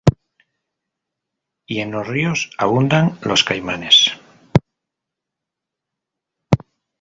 Y en los ríos abundan los caimanes.